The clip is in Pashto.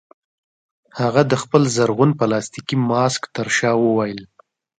هغه د خپل زرغون پلاستيکي ماسک ترشا وویل